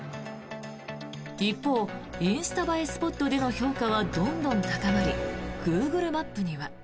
一方、インスタ映えスポットでの評価はどんどん高まりグーグルマップには。